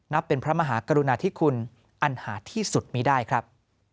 เป็นพระมหากรุณาธิคุณอันหาที่สุดมีได้ครับ